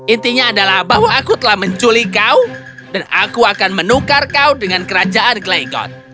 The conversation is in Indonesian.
intinya adalah bahwa aku telah menculik kau dan aku akan menukar kau dengan kerajaan glegon